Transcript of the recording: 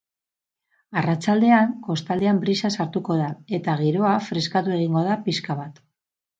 Arratsaldean kostaldean brisa sartuko da eta giroa freskatu egingo da pixka bat.